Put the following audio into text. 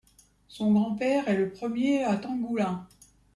Son grand-père est le premier à Tenggulin.